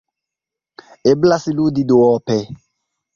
Eblas ludi duope.